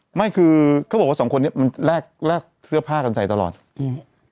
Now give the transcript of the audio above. ไม่คือเขาบอกว่าสองคนนี้มันแลกแลกเสื้อผ้ากันใส่ตลอดอืม